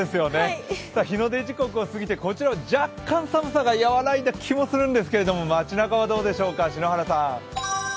日の出時刻を過ぎてこちらは若干寒さが和らいだ気もするんですが街なかはどうでしょうか、篠原さん